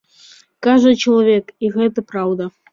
Кажа чалавек, і гэта праўда.